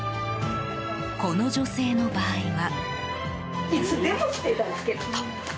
この女性の場合は。